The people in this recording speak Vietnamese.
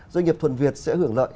doanh nghiệp thuận việt sẽ hưởng lợi